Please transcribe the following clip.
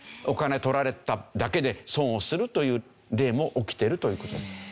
お金取られただけで損をするという例も起きてるという事です。